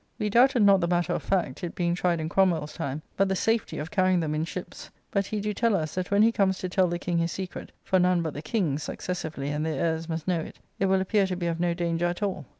We doubted not the matter of fact, it being tried in Cromwell's time, but the safety of carrying them in ships; but he do tell us, that when he comes to tell the King his secret (for none but the Kings, successively, and their heirs must know it), it will appear to be of no danger at all.